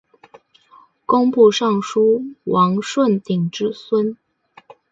工部尚书王舜鼎之孙。